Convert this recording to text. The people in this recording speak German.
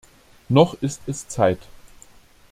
Noch ist es Zeit.